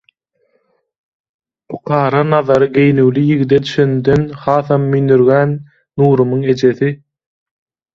Pukara nazary geýnüwli ýigide düşenden hasam müýnürgän Nurumyň ejesi: